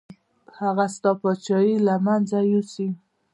هغه ستا پاچاهي له منځه یوسي.